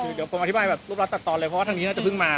เดี๋ยวผมอธิบายแบบรูปรัดตัดตอนเลยเพราะว่าทางนี้น่าจะเพิ่งมา